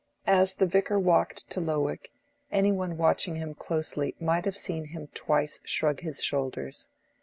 As the Vicar walked to Lowick, any one watching him closely might have seen him twice shrug his shoulders.